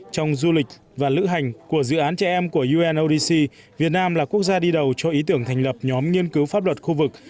trong du lịch và lữ hành của dự án trẻ em của unodc việt nam là quốc gia đi đầu cho ý tưởng thành lập nhóm nghiên cứu pháp luật khu vực